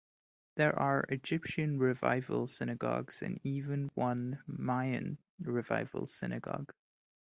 There are Egyptian Revival synagogues and even one Mayan Revival synagogue.